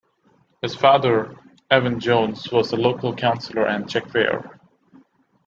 His father, Evan Jones, was a local councillor and checkweigher.